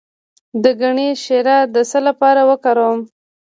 د ګني شیره د څه لپاره وکاروم؟